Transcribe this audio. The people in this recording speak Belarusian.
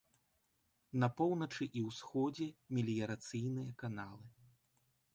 На поўначы і ўсходзе меліярацыйныя каналы.